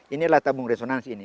ini adalah tabung resonansi